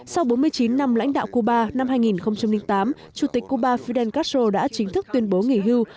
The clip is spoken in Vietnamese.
sau bốn mươi chín năm lãnh đạo cuba năm hai nghìn tám chủ tịch cuba fidel castro đã chính thức tuyên bố nghỉ hưu